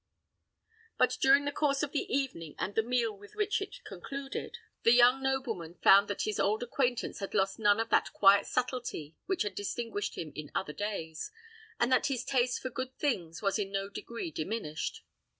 But during the course of the evening, and the meal with which it concluded, the young nobleman found that his old acquaintance had lost none of that quiet subtlety which had distinguished him in other days, and that his taste for good things was in no degree diminished.